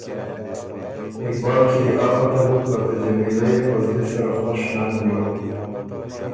اقبال کی يې آ پته بُک که ته جمیلۀ يې په زلی سره خوش نک بیوک۔